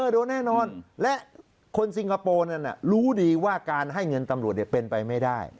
โดนแน่นอนและคนซิงคโปร์นั้นรู้ดีว่าการให้เงินตำรวจเป็นไปไม่ได้